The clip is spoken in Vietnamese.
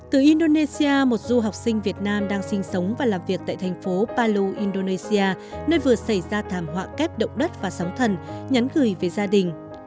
từ indonesia một du học sinh việt nam đang sinh sống và làm việc tại thành phố palu indonesia nơi vừa xảy ra thảm họa kép động đất và sóng thần nhắn gửi về gia đình